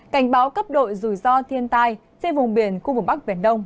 cảnh báo cấp độ dù do thiên tai trên vùng biển khu vực bắc biển đông